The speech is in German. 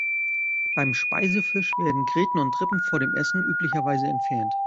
Beim Speisefisch werden Gräten und Rippen vor dem Essen üblicherweise entfernt.